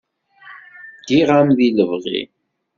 Ddiɣ-am di lebɣi.